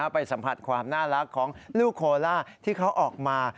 ไปสัมผัสความน่ารักของลูกโคล่าที่เขาออกมา